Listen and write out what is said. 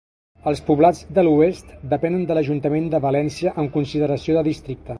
Els Poblats de l'Oest depenen de l'ajuntament de València en consideració de districte.